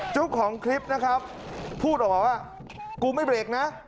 เจ้าของคลิปนะครับพูดออกมาว่ากูไม่เบรกนะ